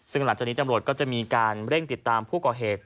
ซึ่งหลังจากนี้ตำรวจก็จะมีการเร่งติดตามผู้ก่อเหตุ